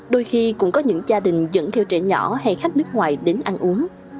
đôi khi cũng có những gia đình dẫn theo trẻ nhỏ hay khách nước ngoài đến ăn uống